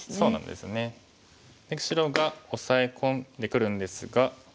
で白がオサエ込んでくるんですが。